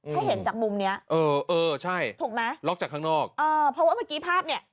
ถ้าเห็นจากมุมเนี้ยเออเออใช่ถูกไหมล็อกจากข้างนอกเออเพราะว่าเมื่อกี้ภาพเนี้ย